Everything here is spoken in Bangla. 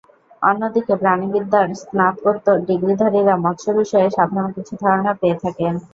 অন্যদিকে প্রাণিবিদ্যার স্নাতকোত্তর ডিগ্রিধারীরা মৎস্য বিষয়ে সাধারণ কিছু ধারণা পেয়ে থাকেন।